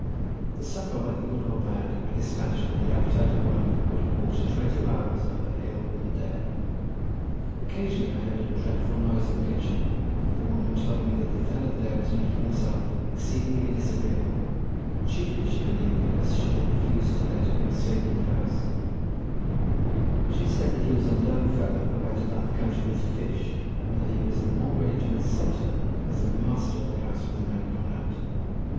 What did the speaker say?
The supper, whether good or bad, I despatched with the appetite of one who had walked twenty miles over hill and dale. Occasionally I heard a dreadful noise in the kitchen, and the woman told me that the fellow there was making himself exceedingly disagreeable, chiefly, she believed, because she had refused to let him sleep in the house—she said that he was a low fellow, that went about the country with fish, and that he was the more ready to insult her as the master of the house was now gone out.